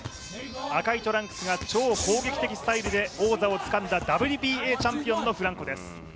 赤いトランクスが超攻撃的スタイルで王座をつかんだＷＢＡチャンピオンのフランコです。